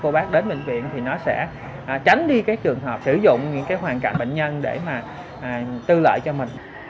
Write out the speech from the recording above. cô bác đến bệnh viện thì nó sẽ tránh đi cái trường hợp sử dụng những cái hoàn cảnh bệnh nhân để mà tư lợi cho mình